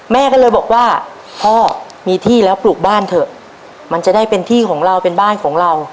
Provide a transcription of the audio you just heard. แม่ก็เลยบอกว่าพ่อมีที่แล้วปลูกบ้านเถอะมันจะได้เป็นที่ของเราเป็นบ้านของเรา